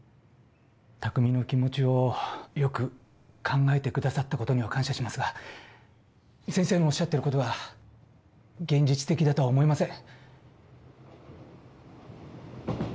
匠の気持ちをよく考えてくださったことには感謝しますが先生のおっしゃってることは現実的だとは思えません。